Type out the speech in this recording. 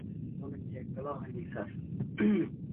বলেন যে একবেলাও হয়নি, স্যার।